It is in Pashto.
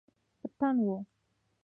په تن وی